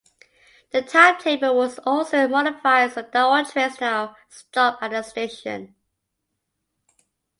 The timetable was also modified so that all trains now stop at the station.